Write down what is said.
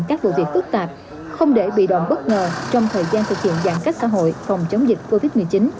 các vụ việc phức tạp không để bị động bất ngờ trong thời gian thực hiện giãn cách xã hội phòng chống dịch covid một mươi chín